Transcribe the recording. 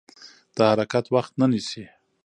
دا حرکت وخت نه نیسي.